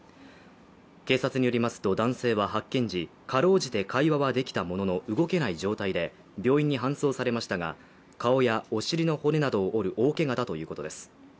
警察によりますと男性は発見時、かろうじて会話はできたものの動けない状態で病院に搬送されましたが顔やお尻の骨などを折る大けがだということです。